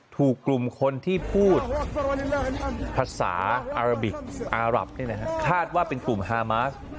ถูกกลุ่มคนที่พูดภาษาอาราบิกอารับคาดว่าเป็นกลุ่มฮามาส